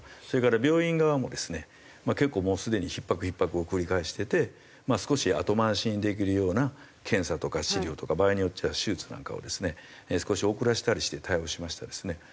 それから病院側もですね結構もうすでにひっ迫ひっ迫を繰り返してて少し後回しにできるような検査とか治療とか場合によっては手術なんかをですね少し遅らせたりして対応しましてですね。